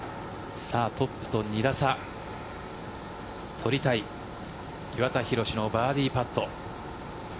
トップと２打差、とりたい岩田寛のバーディーパット。